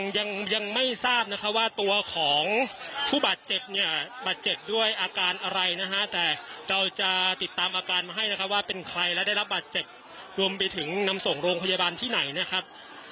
ยังไม่ทราบนะคะว่าตัวของผู้บาดเจ็บเนี่ยบาดเจ็บด้วยอาการอะไรนะฮะแต่เราจะติดตามอาการมาให้นะครับว่าเป็นใครและได้รับบาดเจ็บรวมไปถึงนำส่งโรงพยาบาลที่ไหนนะครับ